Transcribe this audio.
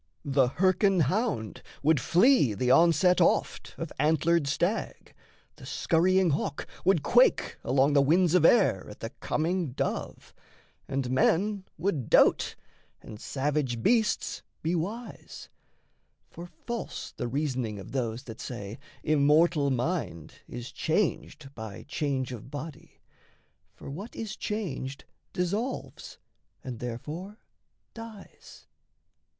The Hyrcan hound would flee the onset oft Of antlered stag, the scurrying hawk would quake Along the winds of air at the coming dove, And men would dote, and savage beasts be wise; For false the reasoning of those that say Immortal mind is changed by change of body For what is changed dissolves, and therefore dies.